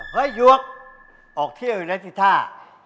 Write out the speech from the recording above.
ยวกออกเที่ยวอยู่แล้วสิท่า